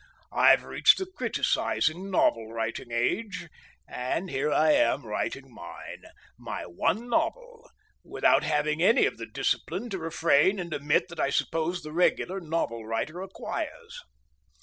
I've reached the criticising, novel writing age, and here I am writing mine—my one novel—without having any of the discipline to refrain and omit that I suppose the regular novel writer acquires.